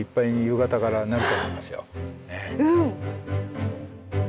うん。